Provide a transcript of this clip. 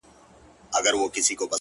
o هغه به خپل زړه په ژړا وویني؛